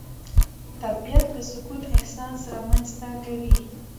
طبیعت د سکون احساس رامنځته کوي